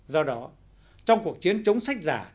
do đó trong cuộc chiến chống sách giả